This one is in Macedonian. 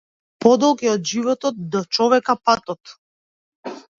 Подолг е од животот до човека патот.